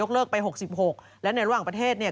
เลิกไป๖๖และในระหว่างประเทศเนี่ย